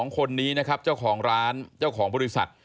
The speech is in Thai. ๒คนนี้นะครับเจ้าของร้านเจ้าของบริษัท